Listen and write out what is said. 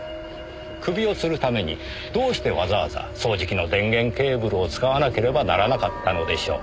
首をつるためにどうしてわざわざ掃除機の電源ケーブルを使わなければならなかったのでしょう？